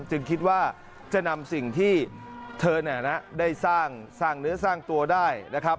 จึงคิดว่าจะนำสิ่งที่เธอเนี่ยนะได้สร้างเนื้อสร้างตัวได้นะครับ